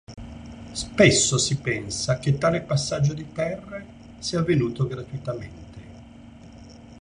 Spesso si pensa che tale passaggio di terre sia avvenuto gratuitamente.